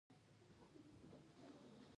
د افغانستان بیرغ تاریخي ارزښت لري.